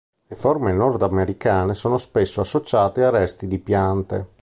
Le forme nordamericane sono spesso associate a resti di piante.